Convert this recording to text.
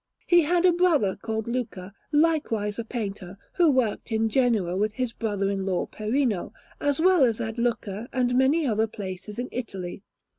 He had a brother called Luca, likewise a painter, who worked in Genoa with his brother in law Perino, as well as at Lucca and many other places in Italy.